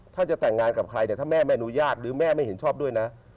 ถ้าจะแต่งงานกับใครเนี่ยถ้าแม่ไม่อนุญาตหรือแม่ไม่เห็นชอบด้วยนะ